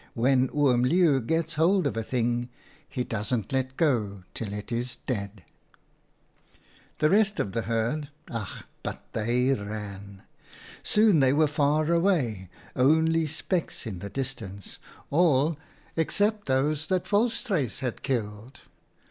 When Oom Leeuw gets hold of a thing, he doesn't let go till it is dead. 34 OUTA KAREL'S STORIES " The rest of the herd — ach, but they ran ! Soon they were far away, only specks in the distance ; all except those that Volstruis had killed.